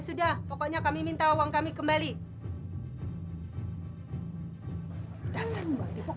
sudah pokoknya kami minta uang kami kembali dasar mbak tipu